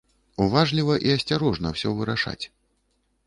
Уважліва і асцярожна ўсё вырашаць.